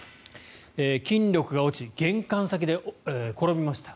筋力が落ち玄関先で転びました。